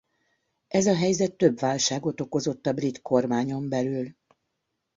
Ez a helyzet több válságot okozott a brit kormányon belül.